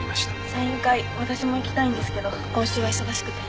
サイン会私も行きたいんですけど今週は忙しくて。